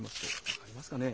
分かりますかね？